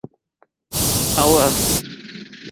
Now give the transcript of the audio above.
Kémà hwǎ.